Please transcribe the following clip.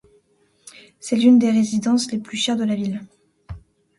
C'est l'une des résidences les plus chères de la ville.